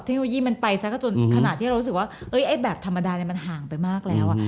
ที่มันไปซะก็จนขณะที่เรารู้สึกว่าเอ๊ะแบบธรรมดามันห่างไปมากแล้ว